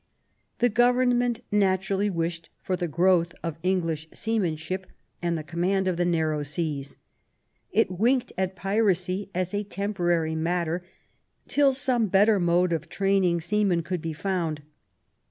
The government naturally wished for the growth of English seamanship and the command of the narrow seas. It winked at piracy as a temporary matter, till some better mode of training seamen could be found.